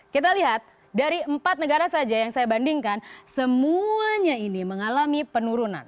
kita lihat dari empat negara saja yang saya bandingkan semuanya ini mengalami penurunan